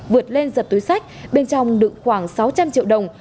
vượt lên giật túi sách bên trong đựng khoảng sáu trăm linh triệu đồng